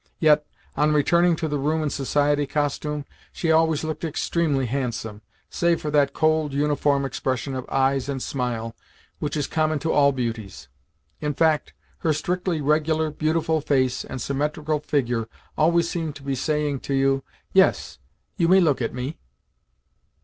Yet, on returning to the room in society costume, she always looked extremely handsome save for that cold, uniform expression of eyes and smile which is common to all beauties. In fact, her strictly regular, beautiful face and symmetrical figure always seemed to be saying to you, "Yes, you may look at me."